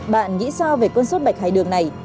bạn nghĩ sao về cơn sốt bạch hải đường này